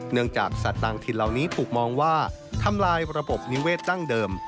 จากสัตว์ต่างถิ่นเหล่านี้ถูกมองว่าทำลายระบบนิเวศดั้งเดิม